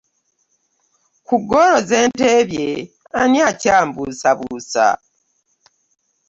Ku ggolo ze nteebye ani akyambuusabuusa?